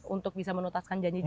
untuk bisa menotaskan janji janji